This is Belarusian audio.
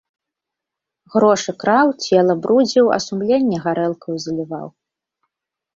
Грошы краў, цела брудзіў, а сумленне гарэлкаю заліваў.